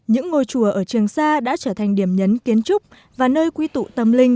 những ngôi chùa ở trường sa đã trở thành điểm nhấn kiến trúc và nơi quy tụ tâm linh